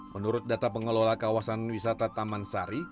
menurut data pengelola kawasan wisata taman sari